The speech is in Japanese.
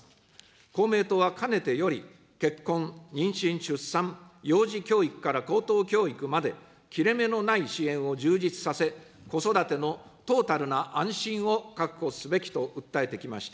公明党はかねてより、結婚、妊娠・出産、幼児教育から高等教育まで、切れ目のない支援を充実させ、子育てのトータルな安心を確保すべきと訴えてきました。